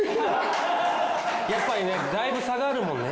やっぱりねだいぶ差があるもんね。